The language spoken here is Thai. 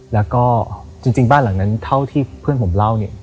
แล้วก็จริงบ้านหลังนั้นจะเข้าจากเล่า